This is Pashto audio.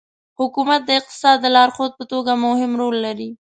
حکومت د اقتصاد د لارښود په توګه مهم رول لري.